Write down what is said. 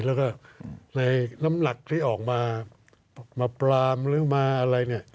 แล้วก็ในน้ำหนักที่ออกมามาปรามหรือมาอะไรเนี่ย